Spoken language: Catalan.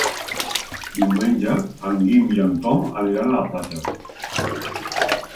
Diumenge en Guim i en Tom aniran a la platja.